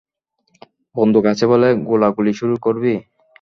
বন্দুক আছে বলে গোলাগুলি শুরু করবি?